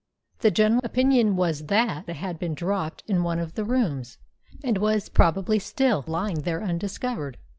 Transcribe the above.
The general opinion was that it had been dropped in one of the rooms, and was probably still lying there undiscovered.